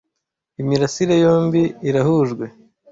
Imirasire yombi irahujwe .